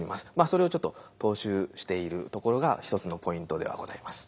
それをちょっと踏襲しているところが一つのポイントではございます。